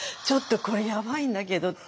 「ちょっとこれやばいんだけど」